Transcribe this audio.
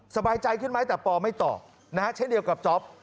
สบายใจขึ้นไหมแต่ปอไม่ตอบนะฮะเช่นเดียวกับจ๊อป